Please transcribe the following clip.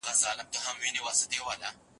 محلی کلتور ته درناوی کول، د نارضایتي احساس نه وي.